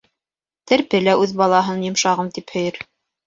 Терпе лә үҙ балаһын «йомшағым» тип һөйөр.